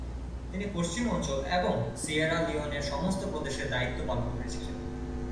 তিনি পশ্চিম অঞ্চল এবং সিয়েরা লিওনের সমস্ত প্রদেশে দায়িত্ব পালন করেছিলেন।